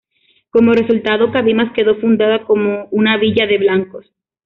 Como resultado Cabimas quedó fundada como una villa de blancos.